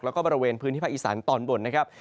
แล้วก็บริเวณพื้นที่ภาคอีสานตอนบนนะครับ